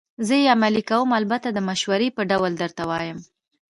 زه یې عملي کوم، البته د مشورې په ډول درته وایم.